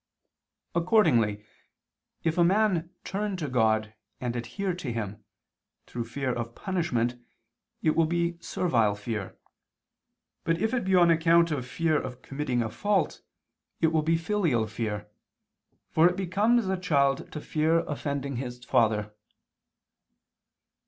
Accordingly if a man turn to God and adhere to Him, through fear of punishment, it will be servile fear; but if it be on account of fear of committing a fault, it will be filial fear, for it becomes a child to fear offending its father.